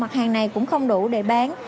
mặt hàng này cũng không đủ để bán